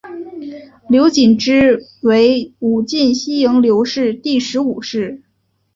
刘谨之为武进西营刘氏第十五世。